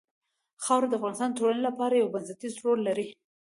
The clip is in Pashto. خاوره د افغانستان د ټولنې لپاره یو بنسټيز رول لري.